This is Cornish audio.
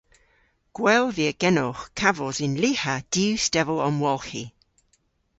Gwell via genowgh kavos yn lyha diw stevel omwolghi.